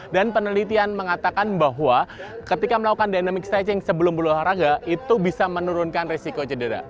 dan penelitian mengatakan bahwa ketika melakukan dynamic stretching sebelum berolahraga itu bisa menurunkan risiko cedera